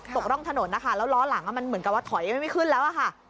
ตกร่องถนนนะคะแล้วล้อหลังมันเหมือนกับว่าถอยไม่ขึ้นแล้วอะค่ะ